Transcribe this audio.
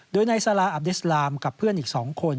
โดยนายซาลาอับเดสลามกับเพื่อนอีก๒คน